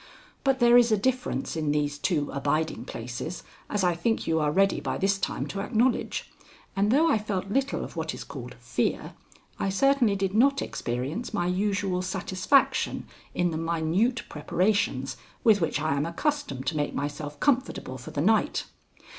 But there is a difference in these two abiding places, as I think you are ready by this time to acknowledge, and, though I felt little of what is called fear, I certainly did not experience my usual satisfaction in the minute preparations with which I am accustomed to make myself comfortable for the night.